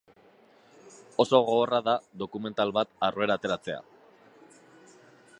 Oso gogorra da dokumental bat aurrera ateratzea.